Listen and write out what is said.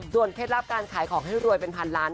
ส่วนเพศราบการขายของให้รวยเป็นพันล้าน